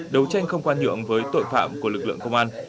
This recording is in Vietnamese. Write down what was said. đấu tranh không khoan nhượng với tội phạm của lực lượng công an